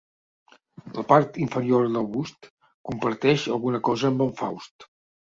La part inferior del bust comparteix alguna cosa amb en Faust.